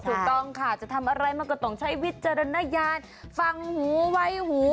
ถูกต้องค่ะจะทำอะไรมันก็ต้องใช้วิจารณญาณฟังหูไว้หู